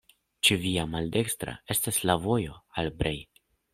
Ĉe via maldekstra estas la vojo al Brej.